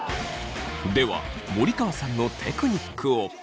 では森川さんのテクニックを。